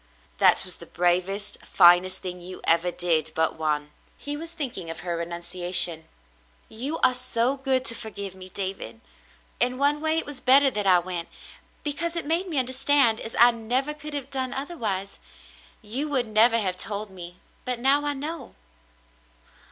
"That was the bravest, finest thing you ever did — but one." He was thinking of her renunciation. "You are so good to forgive me, David. In one way it / 306 The Mountain Girl was better that I went, because it made me understand as I never could have done otherwise. You would never have told me, but now I know."